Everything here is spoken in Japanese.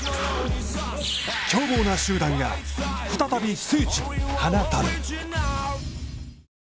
凶暴な集団が、再び聖地に放たれる！